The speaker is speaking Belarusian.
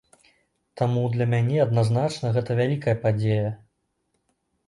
Таму для мяне адназначна гэта вялікая падзея.